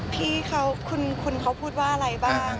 พี่คุณเขาพูดว่าอะไรบ้าง